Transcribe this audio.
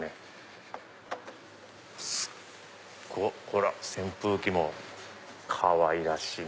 ほら扇風機もかわいらしい！